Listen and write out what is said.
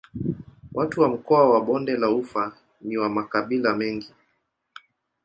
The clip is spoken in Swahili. Watu wa mkoa wa Bonde la Ufa ni wa makabila mengi.